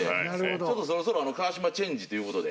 ちょっとそろそろ川島チェンジという事で。